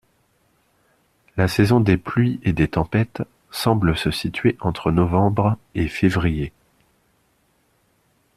La saison des pluies et des tempêtes semble se situer entre Novembre et Février.